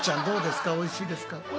どうですかおいしいですか？